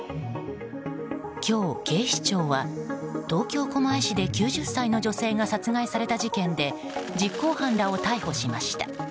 今日、警視庁は東京・狛江市で９０歳の女性が殺害された事件で実行犯らを逮捕しました。